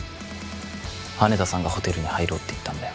羽田さんがホテルに入ろうって言ったんだよ